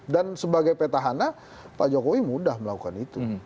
dan sebagai petahana pak jokowi mudah melakukan itu